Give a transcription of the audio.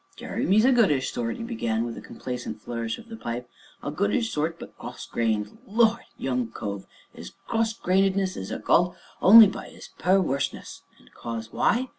"Jeremy is a good ish sort," he began, with a complacent flourish of the pipe, "a good ish sort, but cross grained Lord! young cove, 'is cross grainedness is ekalled only by 'is per werseness, and 'cause why?